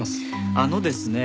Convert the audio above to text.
あのですね。